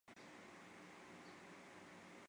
坎伯兰县是美国田纳西州东部的一个县。